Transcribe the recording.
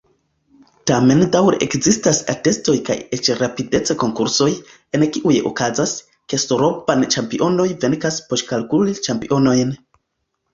Tamen daŭre ekzistas atestoj kaj eĉ rapidec-konkursoj, en kiuj okazas, ke soroban-ĉampionoj venkas poŝkalkulil-ĉampionojn.